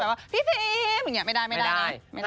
แบบว่าพี่ฟิล์มไม่ได้